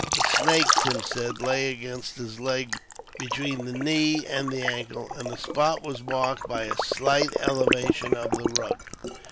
The snake, Tim said, lay against his leg, between the knee and the ankle, and the spot was marked by a slight elevation of the rug.